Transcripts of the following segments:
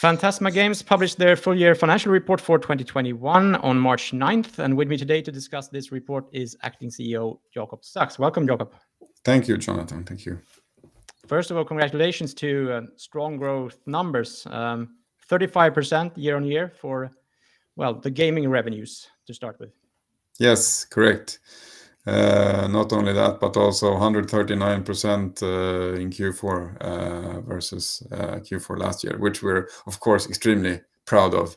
Fantasma Games published their full year financial report for 2021 on March 9th. With me today to discuss this report is Acting CEO, Jacob Lestrup. Welcome, Jacob. Thank you, Jonathan. Thank you. First of all, congratulations to strong growth numbers. 35% year-on-year for the gaming revenues to start with. Yes. Correct. Not only that, but also 139% in Q4 versus Q4 last year, which we're of course extremely proud of.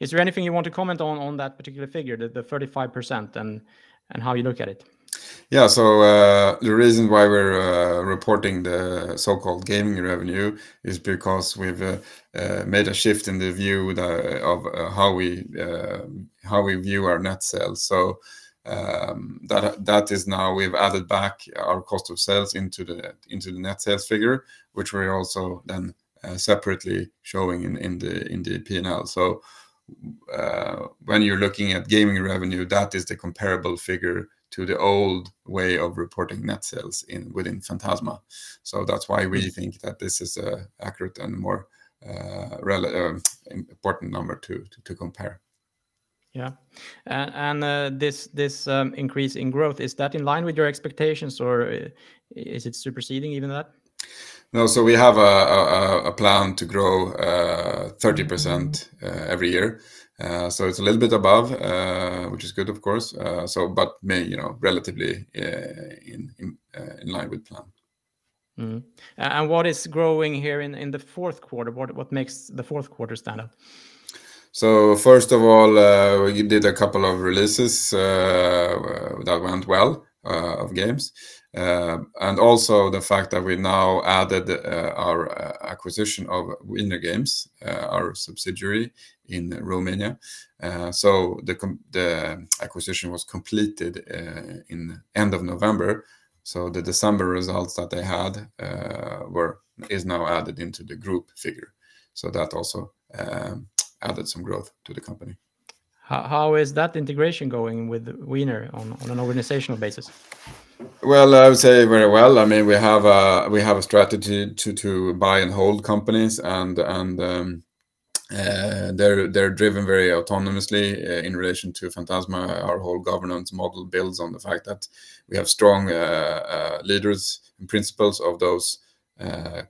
Is there anything you want to comment on that particular figure, the 35% and how you look at it? The reason why we're reporting the so-called gaming revenue is because we've made a shift in the view of how we view our net sales. That is now we've added back our cost of sales into the net sales figure, which we're also then separately showing in the P&L. When you're looking at gaming revenue, that is the comparable figure to the old way of reporting net sales within Fantasma. That's why we think that this is an accurate and more important number to compare. Yeah. This increase in growth, is that in line with your expectations or is it superseding even that? No, we have a plan to grow 30% every year. It's a little bit above, which is good of course. But maybe, you know, relatively in line with plan. What is growing here in the fourth quarter? What makes the fourth quarter stand out? First of all, we did a couple of releases that went well of games. Also the fact that we now added our acquisition of Wiener Games, our subsidiary in Romania. The acquisition was completed in end of November, so the December results that they had is now added into the group figure. That also added some growth to the company. How is that integration going with Wiener on an organizational basis? Well, I would say very well. I mean, we have a strategy to buy and hold companies and they're driven very autonomously in relation to Fantasma. Our whole governance model builds on the fact that we have strong leaders and principals of those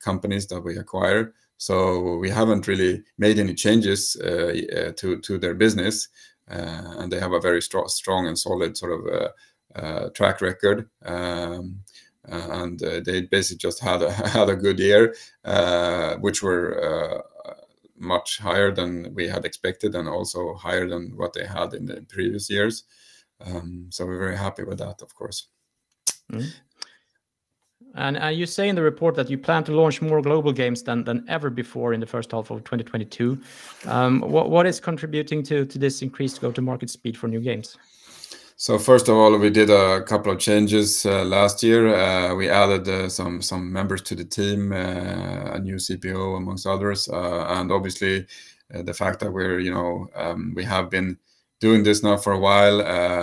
companies that we acquire. We haven't really made any changes to their business. They have a very strong and solid sort of track record. They basically just had a good year which were much higher than we had expected, and also higher than what they had in the previous years. We're very happy with that, of course. You say in the report that you plan to launch more global games than ever before in the first half of 2022. What is contributing to this increased go-to-market speed for new games? First of all, we did a couple of changes last year. We added some members to the team, a new CPO amongst others. Obviously, the fact that we're, you know, we have been doing this now for a while,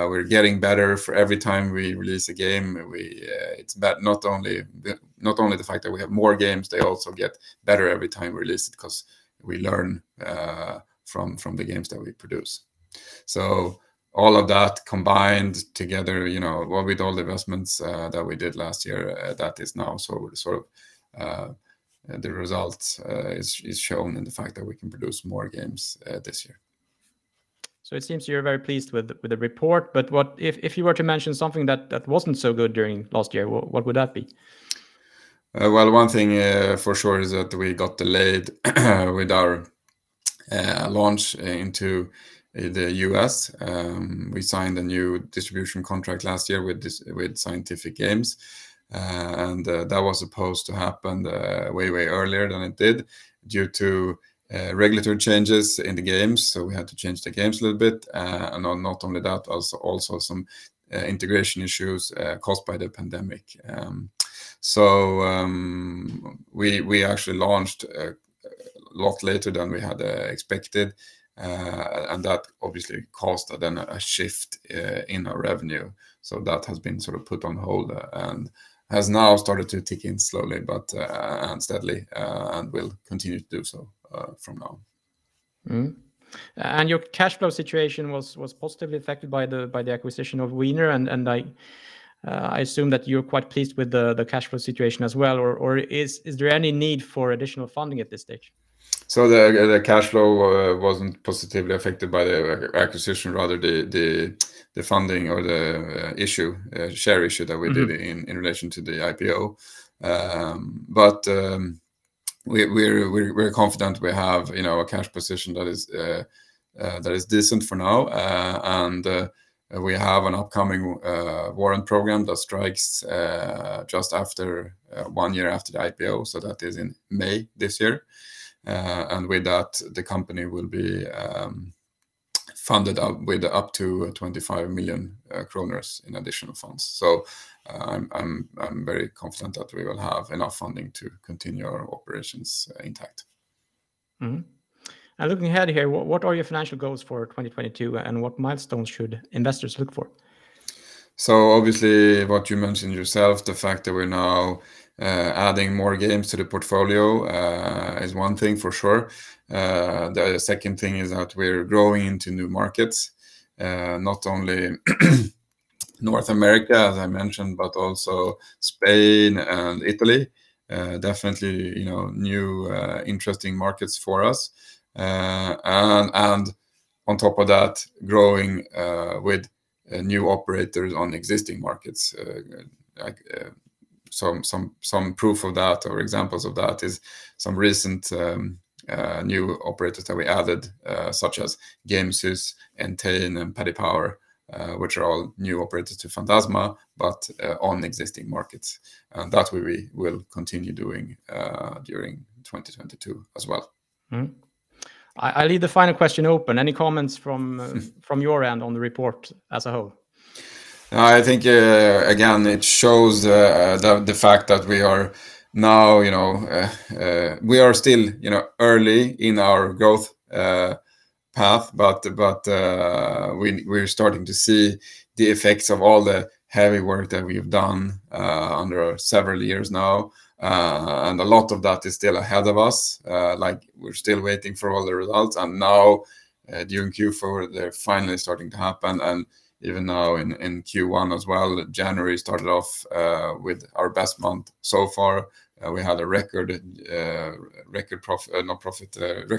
we're getting better for every time we release a game. It's about not only the fact that we have more games, they also get better every time we release it, 'cause we learn from the games that we produce. All of that combined together, you know, what with all the investments that we did last year, that is now sort of the results is shown in the fact that we can produce more games this year. It seems you're very pleased with the report, but what if you were to mention something that wasn't so good during last year, what would that be? Well, one thing for sure is that we got delayed with our launch into the U.S. We signed a new distribution contract last year with Scientific Games, and that was supposed to happen way earlier than it did due to regulatory changes in the games. We had to change the games a little bit. Not only that, also some integration issues caused by the pandemic. We actually launched a lot later than we had expected, and that obviously caused then a shift in our revenue. That has been sort of put on hold, and has now started to tick in slowly but steadily, and will continue to do so from now. Mm-hmm. Your cash flow situation was positively affected by the acquisition of Wiener Games, and I assume that you're quite pleased with the cash flow situation as well. Or is there any need for additional funding at this stage? The cash flow wasn't positively affected by the acquisition, rather the funding or the issue, share issue that we did. Mm-hmm In relation to the IPO, we're confident we have, you know, a cash position that is decent for now. We have an upcoming warrant program that strikes just after one year after the IPO, so that is in May this year. With that, the company will be funded up with up to 25 million kronor in additional funds. I'm very confident that we will have enough funding to continue our operations intact. Looking ahead here, what are your financial goals for 2022, and what milestones should investors look for? Obviously, what you mentioned yourself, the fact that we're now adding more games to the portfolio is one thing for sure. The second thing is that we're growing into new markets, not only North America, as I mentioned, but also Spain and Italy. Definitely, you know, new interesting markets for us. And on top of that, growing with new operators on existing markets. Like, some proof of that or examples of that is some recent new operators that we added, such as Gamesys, Entain, and Paddy Power, which are all new operators to Fantasma, but on existing markets. That we will continue doing during 2022 as well. I'll leave the final question open. Any comments from your end on the report as a whole? I think again, it shows the fact that we are now, you know, we are still, you know, early in our growth path, but we're starting to see the effects of all the heavy work that we've done under several years now. A lot of that is still ahead of us, like we're still waiting for all the results. Now, during Q4, they're finally starting to happen, and even now in Q1 as well. January started off with our best month so far. We had a record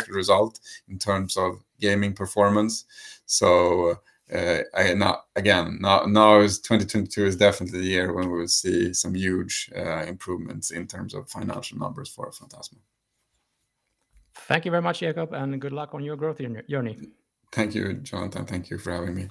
result in terms of gaming performance. Again, now, 2022 is definitely the year when we will see some huge improvements in terms of financial numbers for Fantasma. Thank you very much, Jacob, and good luck on your growth journey. Thank you, Jonathan. Thank you for having me.